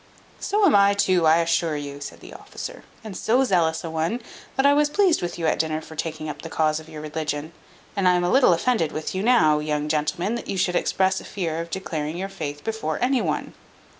"So am I too, I assure you," said the officer; "and so zealous a one, that I was pleased with you at dinner for taking up the cause of your religion; and I am a little offended with you now, young gentleman, that you should express a fear of declaring your faith before any one."